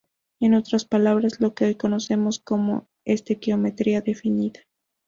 En otras palabras lo que hoy conocemos como "estequiometría definida".